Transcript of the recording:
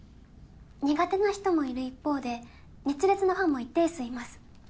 苦手な人もいる一方で熱烈なファンも一定数います